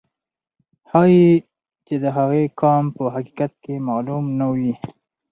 ښایي چې د هغې قوم په حقیقت کې معلوم نه وي.